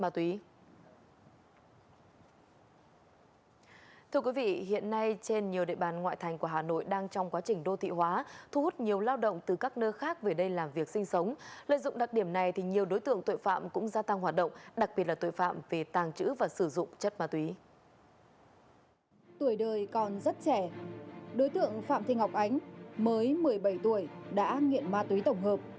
tuổi đời còn rất trẻ đối tượng phạm thị ngọc ánh mới một mươi bảy tuổi đã nghiện ma túy tổng hợp